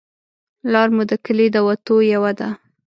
لار مو د کلي د وتو یوه ده